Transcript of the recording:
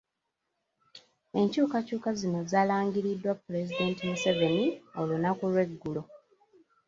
Ekyukakyuka zino zaalangiriddwa Pulezidenti Museveni olunaku lw’eggulo.